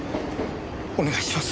お願いします。